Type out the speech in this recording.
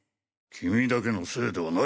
君だけのせいではない！